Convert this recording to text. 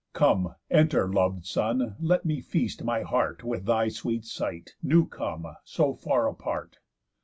Come, enter, lov'd son, let me feast my heart With thy sweet sight, new come, so far apart.